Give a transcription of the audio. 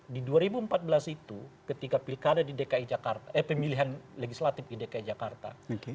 di dua ribu empat belas itu ketika pemilihan legislatif di dki jakarta